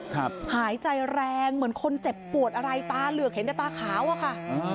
หายใจแรงเหมือนคนเจ็บปวดอะไรตาเหลือกเห็นแต่ตาขาวอะค่ะ